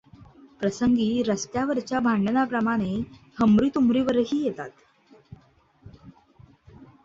प्रसंगी रस्त्यावरच्या भांडणांप्रमाणे हमरी तुमरीवरही येतात.